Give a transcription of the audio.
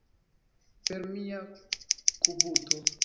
Per mia kubuto.